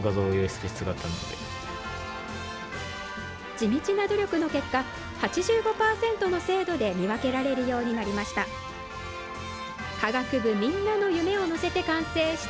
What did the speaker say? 地道な努力の結果、８５％の精度で見分けられるようになりました。